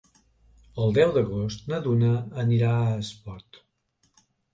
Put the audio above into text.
El deu d'agost na Duna anirà a Espot.